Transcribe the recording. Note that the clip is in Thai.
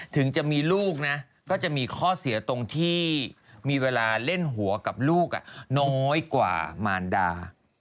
ถึงจะมีลูกนะก็จะมีข้อเสียตรงที่มีเวลาเล่นหัวกับลูกน้อยกว่ามารดา